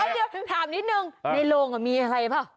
เดี๋ยวถามนิดนึงในโรงมีอะไรเปล่า